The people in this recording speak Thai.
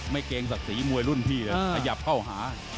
ไม่เกรงสักสีมวยรุ่นพี่เลยขยับเข้าหา